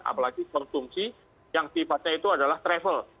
apalagi konsumsi yang sifatnya itu adalah travel